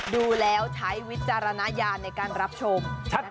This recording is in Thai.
ดูแล้วใช้วิจารณญาณในการรับชม